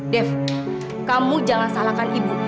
dev kamu jangan salahkan ibu